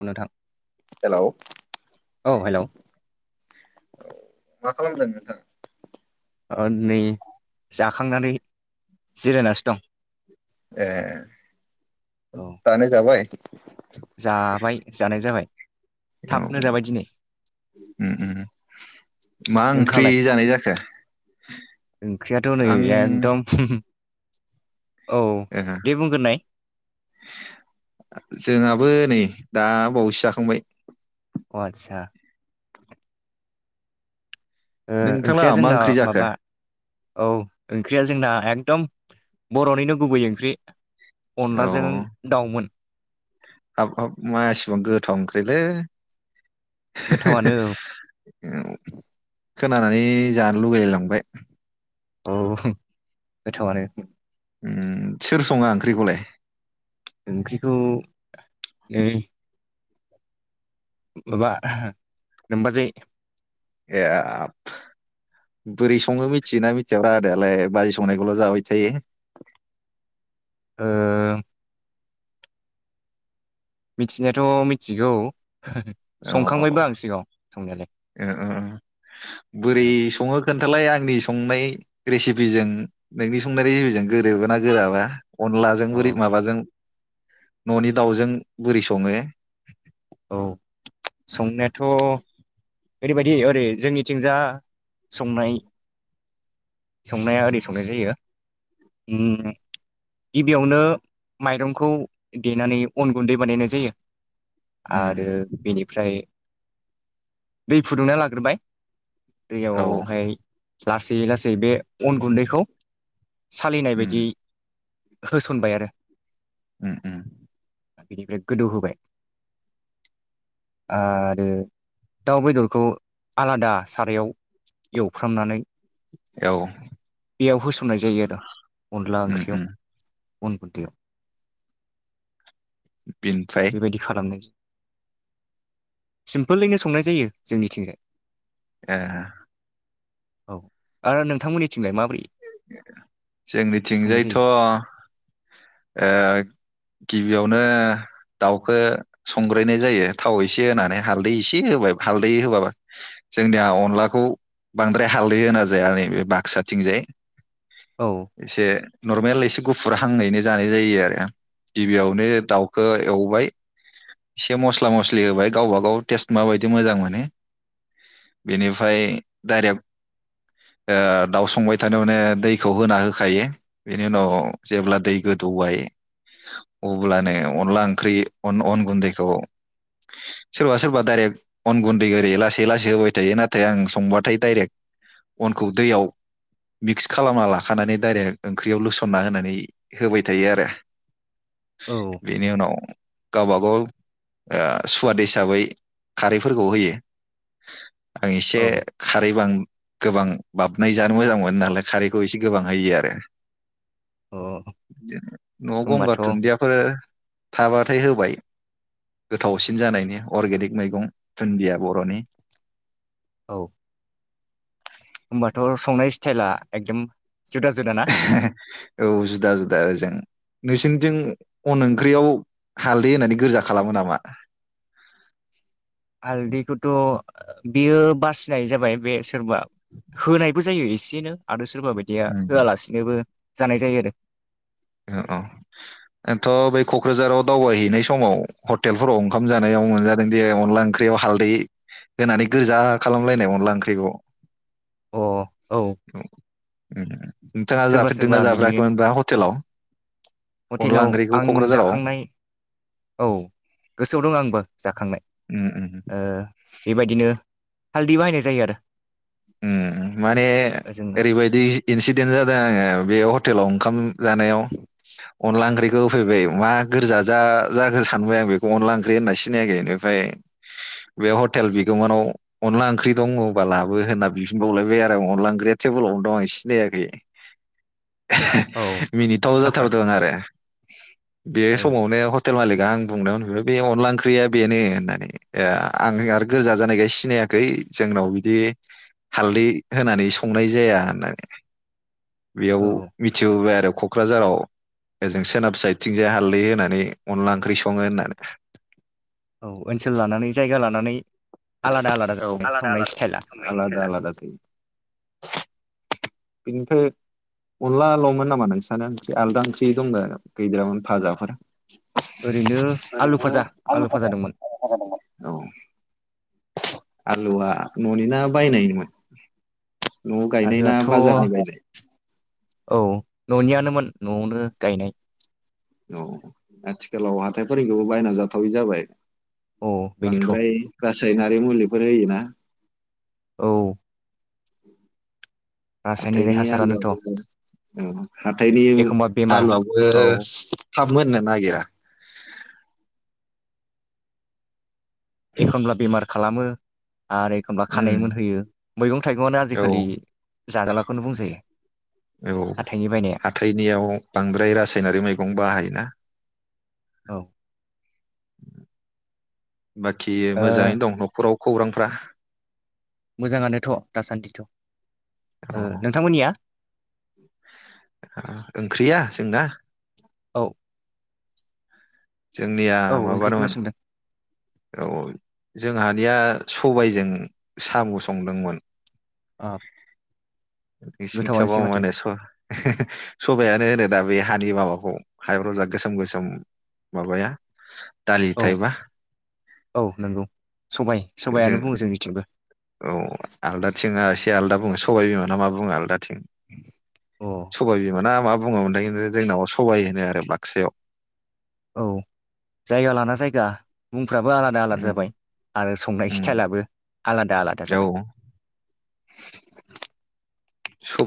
बुं नोंथां हेलौ औ हेलौ मा खालामदों नोंथां नै जाखांनानै जिरायनासो दं ए औ दानो जाबाय जाबाय जानाय जाबाय औ थाबनो जाबाय दिनै उम उम मा ओंख्रि नोंथाङालाय जानाय जाखो? ओंख्रियाथ' नै आं एकदम औ ओ दे बुंग्रोनाय जोंहाबो नै दा बावैसो जाखांबाय अ आतसा ओ ओंख्रिया नोंथांलाहा मा जोंना ओंख्रि जाखो? माबा औ ओंख्रिया जोंना एकदम बर'निनो गुबै ओंख्रि अनलाजों दाउमोन हाबाब मासेबां गोथाव ओंख्रिलै गोथावानो [inaudible] खोनानानै जानो लुगैलायलांबाय औ गोथावानो ओ सोर सङा ओंख्रिखौलाय ओंख्रिखौ नै माबा नोमबाजै एब बोरै सङो मिथियोना मिथिया आदायालाय बाजै संनायखौल' जाबाय थायो ओ मिथिनायाथ' मिथिगौ अ ओ संखांबायबो आं सिगाङाव संनायालाय ओ बोरै औ ओ ओ सङो खोन्थालाय आंनो संनाय रेसिपिजों नोंनि संनाय रेजेबिजों गोरोबो ना गोराबा अनलाजों बोरै अ माबाजों न'नि दाउजों बोरै सङो? औ संनायाथ ओरैबायदि ओरै जोंनिथिंजा संनाय संनाया ओरै संनाय जायो उम गिबियावनो माइरंखौ देनानै अन गुन्दै बानायनाय जायो। आरो उम बेनिफ्राय दै फुदुंना लाग्रोबाय औ दैयावहाय लासि लासि जै बे अन गुन्दैखौ सालिनाय उम बायदि होसनबाय आरो। उम उम बिनिफ्राय गोदौहोबाय आरो दाउ बेदरखौ आलादा सारायाव एवफ्रामनानै औ बेयाव होसननाय जायो आरो। अनला उम ओंख्रियाव उम अन गुन्दैयाव बिनिफ्राय बेबायदि खालामनाय सिम्पोलैनो संनाय जायो जोंनिथिंजाय। ए औ आरो नोंथांमोननि थि संनाय जोंनिथिंजायथ जायो ओ गिबियावनो दाउखौ संग्रायनाय जायो थाव एसे होनानै हालदै एसे होबाय हालदै होबाबा जोंनिया अनलाखौ बांद्राय हालदै होना जाया नैबे बाक्साथिंजाय। औ एसे नर्मेलै एसे गुफुर हांयैनो जानाय जायो आरो गिबियावनो दाउखौ एवबाय एसे मस्ला मस्लि होबाय गावबा गाव टेस्ट माबायदि मोजां मोनो बेनिफ्राय डाइरेक्ट ओ दाउ संबाय थारमाने दैखौ होना होखायो बेनि उनाव जेब्ला दै गोदौबाय अब्लानो अनला ओंख्रि अन अन गुन्दैखौ सोरबा सोरबा दाइरेक्ट अन गुन्दै ओरै लासै लासै होबाय थायो नाथाय आं संबाथाय डाइरेक्ट अनखौ दैयाव मिक्स खालामना लाखानानै डाइरेक्ट ओंख्रियाव लुसनना होनानै होबाय थायो आरो। औ बेनि उनाव गावबागाव ओ सुवाद हिसाबै खारैफोरखौ होयो। आं एसे औ खारैबां गोबां बाबनाय जानो मोजां मोनो नालाय खारैखौ एसे गोबां होयो आरो। औ न'आव गंगार होमबाथ' औ दुन्दियाफोर थाबाथाय होबाय गोथावसिन जानायनि अरगेनिक मैगं दुन्दिया बर'नि। औ होमबाथ संनाय स्टाइला एकदम जुदा जुदा ना औ जुदा जुदाजेन नोंसोरनिथिं अन ओंख्रियाव हालदै होननानै गोरजा खालामो नामा हालदैखौथ' बेयो बासिनाय जाबाय बे सोरबा होनायबो जायो एसेनो आरो सोरबा बायदिया होआलासिनोबो जानाय जायो आरो औ औ औथ' बै क'क्राझाराव दावबायहैनाय समाव हटेलफोराव ओंखाम जानायाव मोनजादों दे अनला ओंख्रियाव हालदै होनानै गोजा खालामलायनाय अनला ओंख्रिखौ अ औ ए नोंथाङा सोरबा सोरबा जाफेरदोंना बिदिनो जाफेराखैमोनबा हटेलाव अनला हटेलाव ओंख्रिखौ आं क'क्राझाराव जाखांनाय औ गोसोआव दं आंबो जाखांनाय उम उम ओ बेबायदिनो हालदि बाहायनाय जायो आरो उम माने जोङो ओरैबायदि इनसिदेन्ट जादों आङो बे हटेलाव ओंखाम जानायाव अनला ओंख्रैखौ होफैबाय मा गोरजा जा जाखो सानबाय आं बेखौ आनला ओंख्रै होनना सिनायाखै बे हटेल बिगोमानाव अनला ओंख्रै दङब्ला लाबो होनना बिफिनबावलायबाय आरो अनला ओंख्रैया टेबोलावनो दं आं सिनायाखै औ मिनिटाव जाथारदों आरो बे ओ समावनो हटेल मालिक दा आं बुंनायाव होनफैबाय बे अनला ओंख्रिया बेनो होननानै आं आरो गोरजा जानायखाय सिनायाखै जोंनाव बिदि हालदै होनानै संनाय जाया होननानै बेयाव औ मिथिबोबाय आरो क'क्राझाराव ओजों सोनाब साइदथिंजाय हालदै होनानै अनला ओंख्रि सङो होननानै औ ओनसोल लानानै जायगा लानानै नानै औ आदा आलादा बेनिफ्राय अनदलाल'मोन नामा नोंसोरानो ओ आलदा ओंख्रि दं गैदेरामोन फाजाफोर ओरैनो आलु ओरैनो फाजा आलु फाजा दंमोन आलु राजा दंमोन आलुआ ननि ना बायनायमोन नआव गायनाय ना आलुआथ' बाजाराव बायनाय औ ननियानोमोन नआवनो गायनाय औ आथिखालाव हाथायफोरनिखौबो बायना जाथावै जाबाय औ बेनोथ बांद्राय रासायनारि मुलिफोर होयो ना औ रासायनारि हाथायनि हासारानोथ' आलुयाबो औ हाथायनि एखमबा बेमार आलुयाबो औ थाब मोननो नागिरा एखनब्ला बेमार खालामो आरो एखमब्ला खानाय उम मोनहोयो मैगं थाइगंआनो औ आजिखालि जाजालाखौनो बुंजायो औ हाथाइनि बायनाया हाथायनियाव बांद्राय रासायनारि मैगं बाहायोना औ बाखि ओ मोजाङैनो दं नखराव खौरांफ्रा मोजाङानोथ दासान्दिथ औ ओ नोंथांमोननिया ओंख्रिया जोंना औ जोंनिया औ ओंख्रिखौनो माबामोन सोंदों औ जोंहानिया सबायजों साम संदोंमोन अ निंसिन्थिबा गोथावानोसै मा माथो होनो सबायानो आनो होनोदा बेैयो हानि माबाखौ हायाव जरग्रा गोसोम गोसोम माबाया दालि औ थायेबा औ नंगौ सबाय जों सबायानो बुङो जोंनिथिंबो औ आलदाथिं एसे आदा बुङो सबाय बिमा ना मा बुङो आलदाथिं अ सबाइ बिमा मोना मा बुङोमोनथाय खिन्थु जोंनाव सबाय होनो आरो बाक्सायाव औ जायगा लाना जायगा मुं फोराबो आलादा आलादा उम जाबाय आरो संनाय उम स्टाइलाबो आलादा आलादा औ जाबाय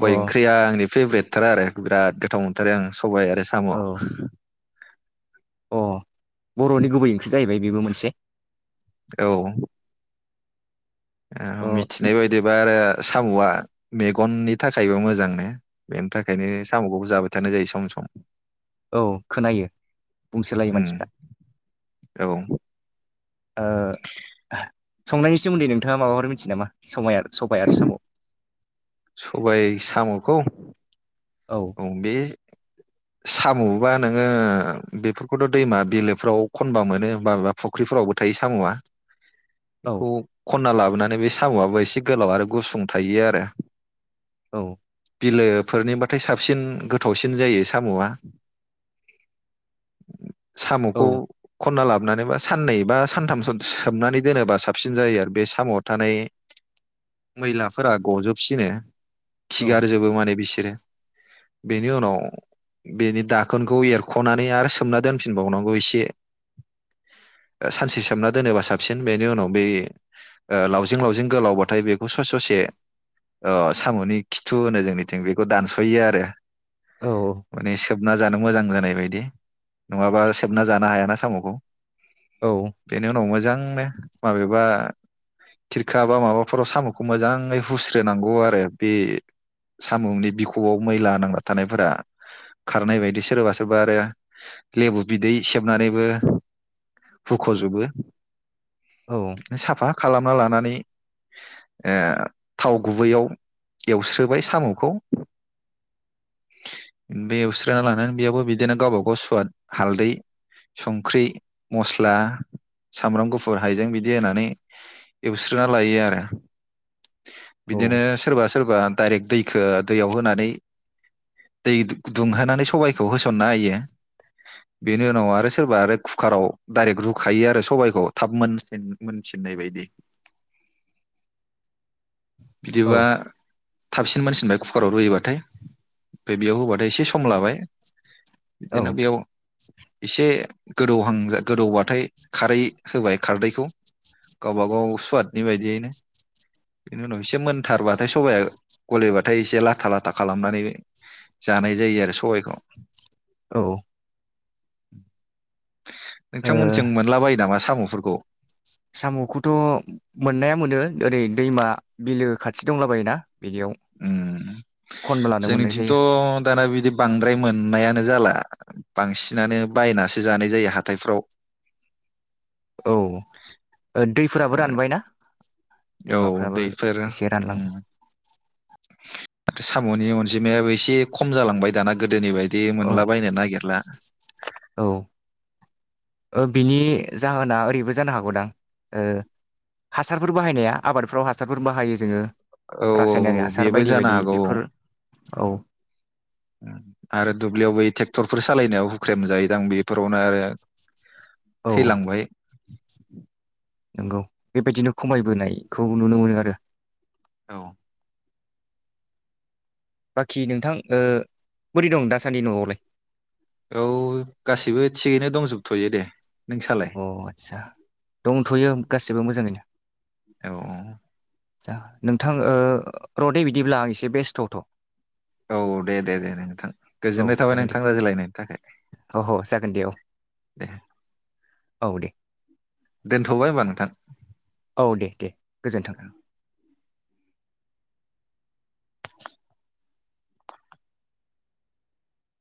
अ थार आरो बिराद गोथाव मोनथारो आं सबाय आरो साम औ अ बर'नि गुबै ओंख्रि जाहैबाय बेबो मोनसे औ अ औ मिथिनाय बायदिबा आरो सामआ मेगननि थाखायबो मोजांनो बेनि थाखायनो सामखौबो जाबाय थानाय जायो सम सम औ खोनायो बुंसोलायो उम मानसिफ्रा औ संनायनि सोमोन्दै नोंथाङा माबाफोर मिथियो नामा सबाया आरो सबाय आरो साम' सबाय साम'खौ औ बे साम'बा नोङो बेफोरखौथ' दैमा बिलोफोराव खनबा मोनो माबेबा फुख्रिफोरावबो थायो साम'आ औ बेखौ खनना लाबोनानै बे साम'आबो एसे गोलाव आरो गुसुं थायो आरो औ बिलोफोरनि बा साबसिन गोथावसिन जायो साम'आ साम'खौ औ खनना लाबो हमनानै बा साननै बा सानथामस सोबनानै दोनोबा साबसिन जायो आरो बे साम'आव थानाय मैलाफोरा गजोबसिनो। खिगारजोबो माने बिसि दैलो बेनि उनाव बेनि दाखोनखौ एरख'नानै आरो सोमना दोनफिनबावनांगौ एसे सानसे सोमना दोनोबा साबसिन बेनि उनाव बे ओ लावजिं लावजिं गोलावबाथाय बेखौ ससे ससे ओ साम'नि खिथु होनो जोंनिथिं बेखौ दानस यो आरो। औ औ सोबना जानो मोजां जानाय बायदि नङाबा सोबना जानो हायाना साम'खौ बेनि उनाव मोजां जांनो माबेबा खिरखा बा माबाफोराव साम'खौ मोजाङै हुस्रोनांगौ आरो बे साम'नि बिखुं खबआव मैला नांला थानायफोरा खारनाय बायदि सोरबा सोरबा आरो लेबु बिदै सेबनानैबो हुखजोबो। औ साफा खालामना लानानै ओ थाव गुबैयाव एवस्रोबाय साम'खौ बे एवस्रोना लानानै बेयावबो बिदिनो गावबा गाव सुवाद हालदै संख्रि मस्ला सामब्राम गुफुर हायजें बिदि होनानै एवस्रोना लायो आरो। औ बिदिनो सोरबा सो सोरबा डाइरेक्ट दैखौ दैयाव होना नै दै दुं होनानै सबायखौ होसननो होयो बेनि उनाव आरो सोरबा आरो कुकाराव डाइरेक्ट रुखायो आरो सबायखौ थाब मोन मोनसिननाय बायदि। बिदिबा थाबसिन मानसिन बाय कुकाराव रुयोबा थाय ओमफ्राय बेयाव होबाथाय एसे सम लाबाय। औ बिदिनो बेयाव एसे गोदौहां गोदौबाथाय खारै होबाय खारदैखौ गावबा गाव सुवादनि बायदियैनो बेनि उनाव एसे मोनथारबाथाय सबाया गलेबाथाय एसे लाथा ला था खालामनानै जानाय जायो आरो सबायखौ। औ [inaudible] ओ नोंथांमोनजों मोनला बायो नामा साम मफोरखौ साम'खौथ मोननाया मोनो ओरै दैमा बिलो खाथि दंला बायोना। उम मोननाय जोंनिथिंथ जायो दाना बिदि बांद्राय मोन मोननायानो जाला बांसिनानो बायनासो जानाय जायो हाथायफ्राव। औ दैफोराबो रानबाय ना। औ दैफोरो उम आरो साम'नि अनजिमायाबो एसे खम जालांबाय दाना गोदोनि बाय दि औ मोनला बायनो नागिरला। औ ओ बिनि जाहोना ओरैबो जानो हागौदां ओ हासारफोर बाहायनाया आबादफ्राव हासारफोर बाहायो जोङो औ औ रासायनारि औ हासार बेबो बायदि जानो बायदि हागौ औ। बेफोर औ आरो दुब्लियावबो ट्रेक्टरफोर सालायनायाव हुख्रेम जायोदां बेफोरावनो आरो औ थैलांबाय नंगौ बेबायदिनो खमायबोनायखौ नुनो मोनो आरो औ बाखि नोंथां ओ बोरै दं दासान्दि न'आवलाय औ गासिबो थिगैनो दंजोबथ'यो दे नोंसालाय अ आस्सा दंथ'यो गासिबो मोजाङैनो औ औ नोंथां ओ रडै बिदिब्ला आ एसे बेस्थथ' औ दे दे दे नोंथां गोजोननाय थाबाय जागोन दे नोंथां रायज्लायनायनि थाखाय अह जागोन दे औ दे औ दे दोनथ'बाय होमबा नोंथां औ दे दे गोजोन्थों